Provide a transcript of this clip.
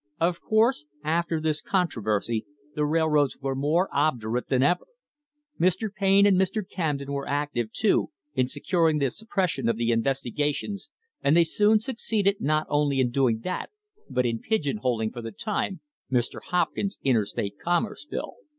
Of course after this controversy the railroads were more obdurate than ever. Mr. Payne and Mr. Camden were active, too, in securing the suppression of the investigations and they soon succeeded not only in doing that but in pigeon holing for the time Mr. Hopkins's Interstate Commerce Bill.